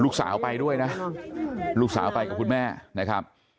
ลูกสาวไปด้วยนะลูกสาวไปกับคุณแม่นะครับ